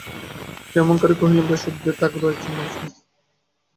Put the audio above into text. ক্ষেমংকরী কহিলেন, বেশ বুদ্ধি ঠাওরাইয়াছ মা।